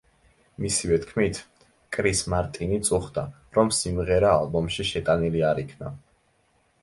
მისივე თქმით, კრის მარტინი წუხდა, რომ სიმღერა ალბომში შეტანილი არ იქნა.